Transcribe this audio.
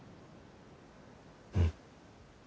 うん。